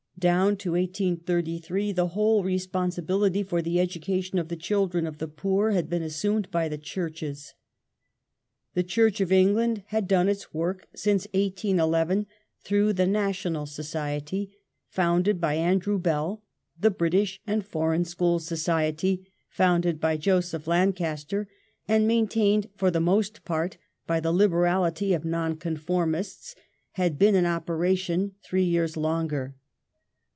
Down to 1833 the whole ^j."^j *°" responsibility for the education of the children of the poor had been assumed by the Churches. The Church of England had done its work since 1811 through the National Society, founded by Andrew Bell ; the British and Foreign School Society, founded by Joseph Lancaster and maintained for the most part by the liber ality of Nonconformists, had been in operation three years longer.